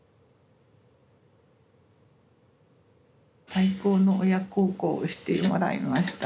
最高の親孝行をしてもらいました。